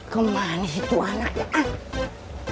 ke mana sih tu anaknya ah